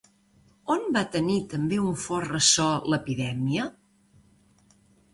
On va tenir també un fort ressò l'epidèmia?